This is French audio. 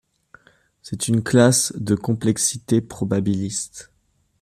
C'est une classe de complexité probabiliste.